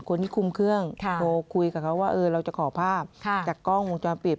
คนที่คุมเครื่องโทรคุยกับเขาว่าเออเราจะขอภาพจากกล้องวงจรปิด